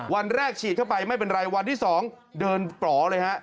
วันแรกฉีดเข้าไปไม่เป็นไรวันที่๒เดินปล่อเลยฮะ